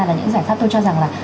là những giải pháp tôi cho rằng là